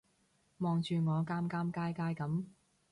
望住我尷尷尬尬噉